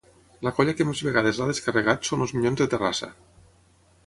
La colla que més vegades l'ha descarregat són els Minyons de Terrassa.